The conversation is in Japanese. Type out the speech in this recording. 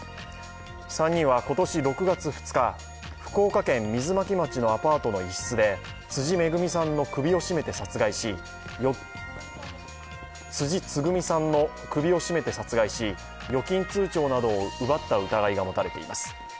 ３人は今年６月２日、福岡県水巻町のアパートの一室で辻つぐみさんの首を絞めて殺害し、預金通帳などを奪った疑いが持たれています。